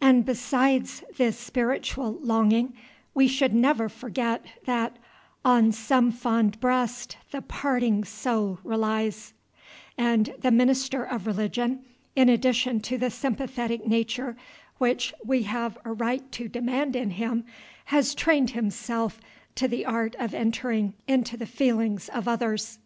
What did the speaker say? And besides this spiritual longing, we should never forget that "On some fond breast the parting soul relies," and the minister of religion, in addition to the sympathetic nature which we have a right to demand in him, has trained himself to the art of entering into the feelings of others.